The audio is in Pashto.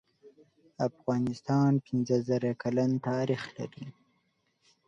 افغانستان پنځه زره کلن تاریخ لری